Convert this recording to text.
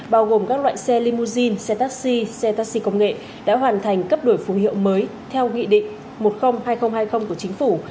bao gồm các loại xe limousine xe taxi xe taxi công nghệ đã hoàn thành cấp đổi phù hiệu mới theo nghị định một trăm linh hai nghìn hai mươi của chính phủ